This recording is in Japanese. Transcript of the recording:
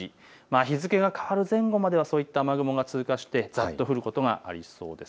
日付が変わる前後までは雨雲が通過して、ざっと降ることがありそうです。